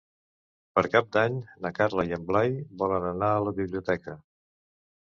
Per Cap d'Any na Carla i en Blai volen anar a la biblioteca.